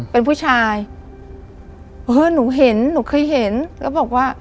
เป็นผู้ชายเออหนูเห็นหนูเคยเห็นแล้วบอกว่า